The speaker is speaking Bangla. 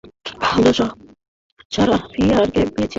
আমরা সারাহ ফিয়ারকে পেয়েছি।